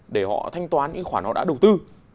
để họ thanh toán những khoản nó đã đầu tư